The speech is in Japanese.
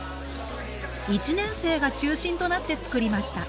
１年生が中心となって作りました。